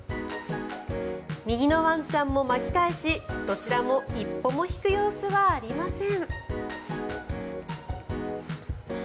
右のワンちゃんも巻き返しどちらも一歩も引く様子はありません。